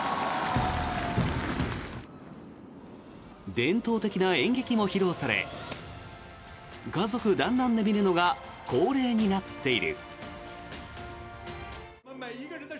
伝統的な演劇も披露され家族だんらんで見るのが恒例になっている。